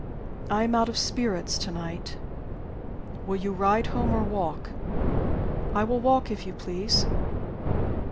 "I am out of spirits to night." "Will you ride home or walk?" "I will walk, if you please."